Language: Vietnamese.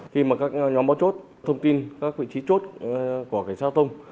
khi mà các nhóm báo chốt thông tin các vị trí chốt của cảnh sát giao thông